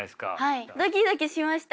ドキドキしました。